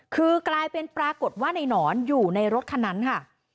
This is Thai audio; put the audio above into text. คือกลายเป็นปรากฏว่าในหนอนอยู่ในรถคันนั้นค่ะ